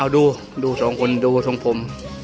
ดูสองคนดูสองผม